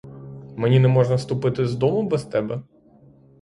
Мені не можна ступити з дому без тебе?